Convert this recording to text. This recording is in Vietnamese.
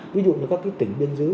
ví dụ là các tỉnh biên giới